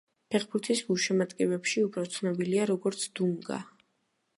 ფეხბურთის გულშემატკივრებში უფრო ცნობილია როგორც დუნგა.